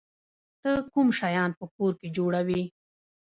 ته کوم شیان په کور کې جوړوی؟